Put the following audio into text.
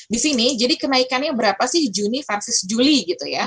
di sini jadi kenaikannya berapa sih juni versus juli gitu ya